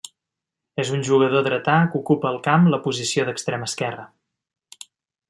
És un jugador dretà que ocupa, al camp, la posició d'extrem esquerre.